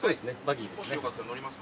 もしよかったら乗りますか？